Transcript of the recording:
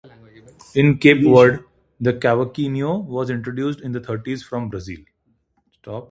In Cape Verde the cavaquinho was introduced in the thirties from Brazil.